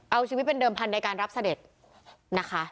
เอาชีวิตเป็นเดิมพันธุ์ในการรับเสด็จนะคะ